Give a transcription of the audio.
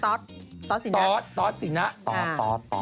ต๊อตต๊อตสินะต๊อตต๊อตต๊อต